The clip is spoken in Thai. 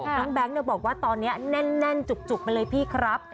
แก๊งบอกว่าตอนนี้แน่นจุกไปเลยพี่ครับ